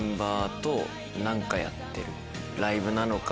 ライブなのか。